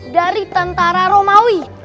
dari tentara romawi